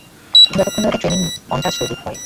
যতক্ষণ না তাদের ট্রেইনিং মন্টাজ তৈরি হয়।